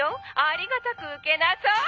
「ありがたく受けなさい！